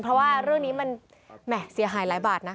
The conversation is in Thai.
เพราะว่าเรื่องนี้มันแหม่เสียหายหลายบาทนะ